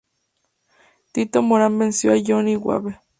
Tito Moran venció a Johnny Wave.